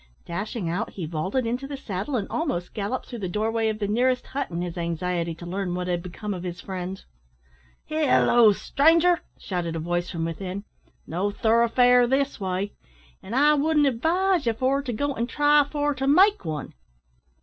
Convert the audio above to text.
Dashing out, he vaulted into the saddle, and almost galloped through the doorway of the nearest hut in his anxiety to learn what had become of his friends. "Halloo! stranger," shouted a voice from within, "no thoroughfare this way; an' I wouldn't advise ye for to go an' try for to make one."